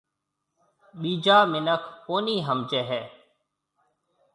ٻِيجا مِنک ڪونِي سمجهيَ هيَ۔